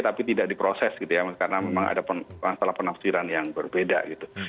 tapi tidak diproses gitu ya karena memang ada masalah penafsiran yang berbeda gitu